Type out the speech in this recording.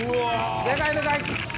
でかいでかい。